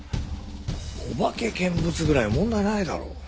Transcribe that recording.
お化け見物ぐらい問題ないだろう。